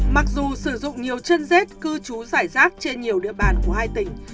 mặc dù sử dụng nhiều chân rết cư trú giải rác trên nhiều địa bàn của hai tỉnh